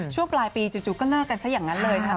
ช่วงปลายปีจู่ก็เลิกกันซะอย่างนั้นเลยนะครับ